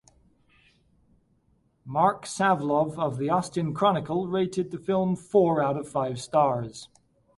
Marc Savlov of The Austin Chronicle rated the film four out of five stars.